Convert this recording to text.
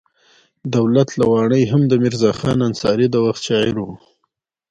دولت لواڼی هم د میرزا خان انصاري د وخت شاعر و.